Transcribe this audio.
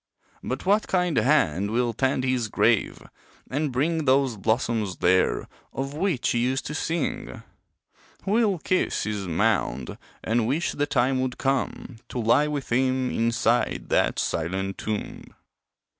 But what kind hand will tend his grave, and bring Those blossoms there, of which he used to sing? Who'll kiss his mound, and wish the time would come To lie with him inside that silent tomb?